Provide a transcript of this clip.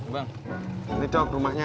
bang ini cok rumahnya